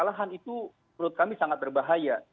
kesalahan itu menurut kami sangat berbahaya